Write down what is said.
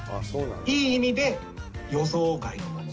いい意味で予想外のもの。